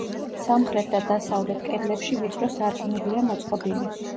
სამხრეთ და დასავლეთ კედლებში ვიწრო სარკმლებია მოწყობილი.